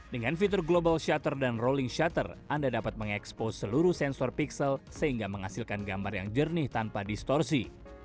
dengan fitur global shutter dan rolling shutter anda dapat mengekspos seluruh sensor pixel sehingga menghasilkan gambar yang jernih tanpa distorsi